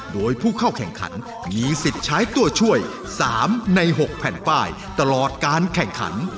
โดยผู้เข้าแข่งขันมีสิทธิ์ใช้ตัวช่วย๓ใน๖แผ่นป้ายตลอดการแข่งขัน